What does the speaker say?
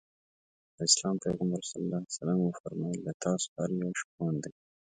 د اسلام پیغمبر ص وفرمایل له تاسو هر یو شپون دی.